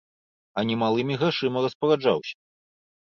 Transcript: А немалымі грашыма распараджаўся.